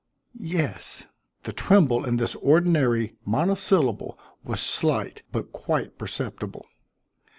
"Yes." The tremble in this ordinary monosyllable was slight but quite perceptible.